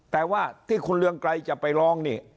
แต่ว่าที่คุณเรืองไกรจะไปร้องนี่